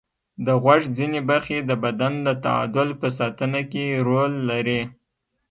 د غوږ ځینې برخې د بدن د تعادل په ساتنه کې رول لري.